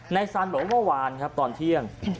ไนซันบอกว่าวานตอนเที่ยง